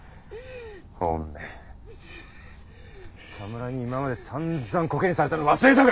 おめえ侍に今までさんざんコケにされたの忘れだが？